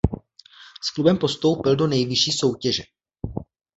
S klubem postoupil do nejvyšší soutěže.